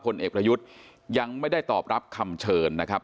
เอกประยุทธ์ยังไม่ได้ตอบรับคำเชิญนะครับ